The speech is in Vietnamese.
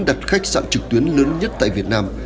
đặt khách sạn trực tuyến lớn nhất tại việt nam